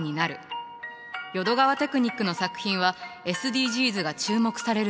淀川テクニックの作品はＳＤＧｓが注目される